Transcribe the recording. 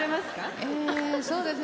ええそうですね。